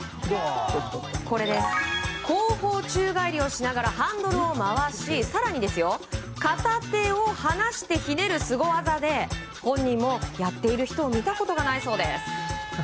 後方宙返りをしながらハンドルを回し更に、片手を離してひねるスゴ技で本人も、やっている人を見たことがないそうです。